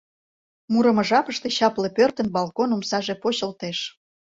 Мурымо жапыште чапле пӧртын балкон омсаже почылтеш.